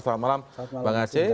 selamat malam bang aceh